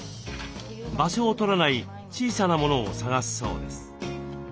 場所を取らない小さなモノを探すそうです。